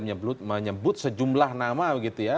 menyebut sejumlah nama begitu ya